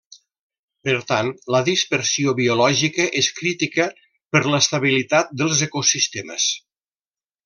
Per tant, la dispersió biològica és crítica per l'estabilitat dels ecosistemes.